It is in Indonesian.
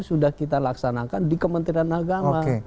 sudah kita laksanakan di kementerian agama